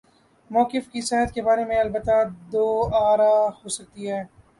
موقف کی صحت کے بارے میں البتہ دو آرا ہو سکتی ہیں۔